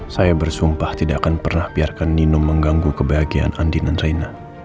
saya bersumpah tidak akan pernah biarkan nino mengganggu kebahagiaan andi dan raina